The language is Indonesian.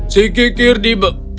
si kekir di